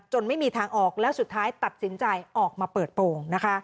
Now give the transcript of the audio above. ไม่มีทางออกแล้วสุดท้ายตัดสินใจออกมาเปิดโปรง